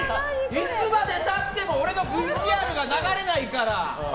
いつまで経っても俺のＶＴＲが流れないから！